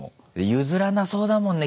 譲らなそうだもんね